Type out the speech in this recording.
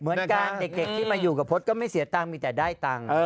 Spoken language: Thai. เหมือนกันเด็กที่มาอยู่กับพจน์ก็ไม่เสียตังค์มีแต่ได้ตังค์